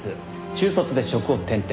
中卒で職を転々。